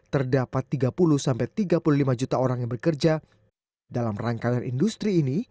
terdapat tiga puluh tiga puluh lima juta orang yang bekerja dalam rangkaian industri ini